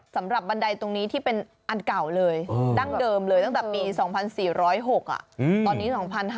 บันไดตรงนี้ที่เป็นอันเก่าเลยดั้งเดิมเลยตั้งแต่ปี๒๔๐๖ตอนนี้๒๕๕๙